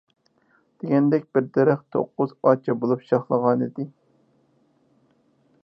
دېگەندەك، بىر دەرەخ توققۇز ئاچا بولۇپ شاخلىغانىدى.